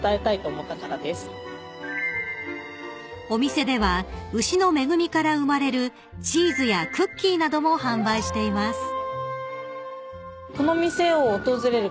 ［お店では牛の恵みから生まれるチーズやクッキーなども販売しています］